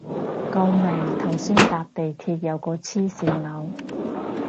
救命頭先搭地鐵有個黐線佬